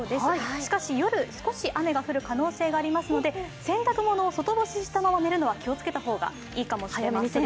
しかし、夜少し雨が降る可能性がありますので洗濯物を外干ししたまま寝るのは注意した方がいいと思います。